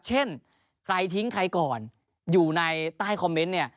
เช่นใครทิ้งใครก่อนอยู่ในใต้คอมเมนต์เนี่ย